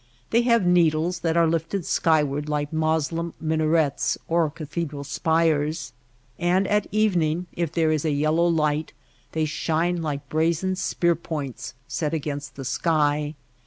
They have needles that are lifted skyward like Mos lem minarets or cathedral spires ; and at even ing, if there is a yellow light, they shine like brazen spear points set against the sky.